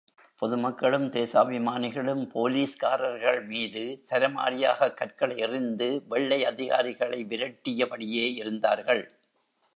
பொதுமக்களும், தேசாபிமானிகளும் போலீஸ்கார்கள் மீது சரமாரியாகக் கற்களை எறிந்து வெள்ளை அதிகாரிகளை விரட்டியபடியே இருந்தார்கள்.